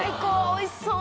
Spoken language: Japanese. おいしそう。